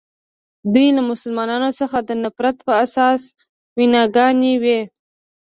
دوی له مسلمانانو څخه د نفرت په اساس ویناګانې کوي.